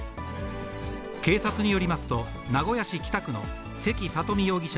警察によりますと、名古屋市北区の関佐登美容疑者